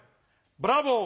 ブラボー。